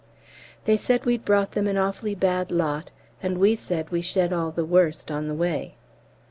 They said we'd brought them an awfully bad lot, and we said we shed all the worst on the way.